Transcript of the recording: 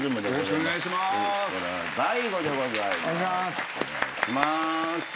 お願いします。